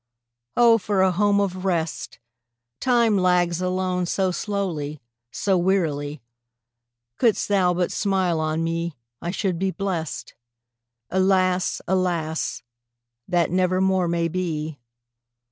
Oh, for a home of rest! Time lags alone so slow, so wearily; Couldst thou but smile on me, I should be blest. Alas, alas! that never more may be.